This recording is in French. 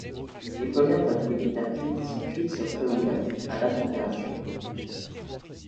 Les premières poteries de terre cuite, sont cuites sur feu ouvert, à basse température.